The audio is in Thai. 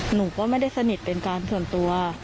หนูก็ไม่ได้สนิทเป็นการส่วนตัว